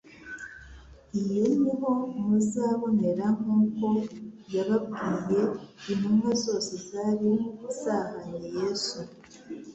iyo ni ho muzamubonera nk'uko yababwiye." Intumwa zose zari zahanye Yesu,